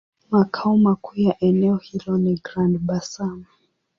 Makao makuu ya eneo hilo ni Grand-Bassam.